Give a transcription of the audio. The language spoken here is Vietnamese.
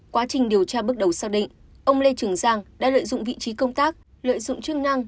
quá trình điều tra bước đầu xác định ông lê trường giang đã lợi dụng vị trí công tác lợi dụng chức năng